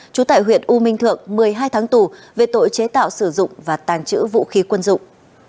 trú tại huyện u minh thượng một mươi hai tháng tù về tội chế tạo sử dụng và tàn trữ vũ khí quân dụng